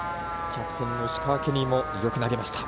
キャプテンの石川ケニーもよく投げました。